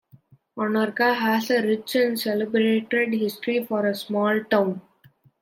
Onarga has a rich and celebrated history for a small town.